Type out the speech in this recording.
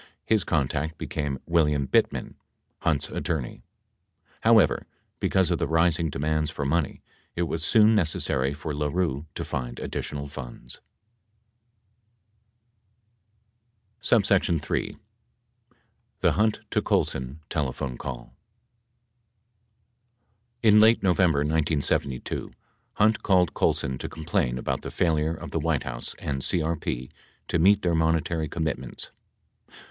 His contact became William Bittman, Hunt's attorney. 99 However, because of the rising demands for money, it was soon necessary for LaRue to find additional funds. 3. THE HUNT TO OOLSON TELEPHONE CAUL In late November 1972, Hunt called Colson to complain about the failure of the White House and CRP to meet their monetary commit ments.